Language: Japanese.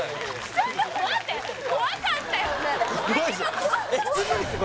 ちょっと待って怖いっすよ